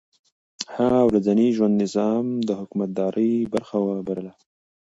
هغه د ورځني ژوند نظم د حکومتدارۍ برخه بلله.